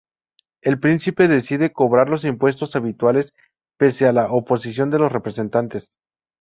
El príncipe decidió cobrar los impuestos habituales pese a la oposición de los representantes.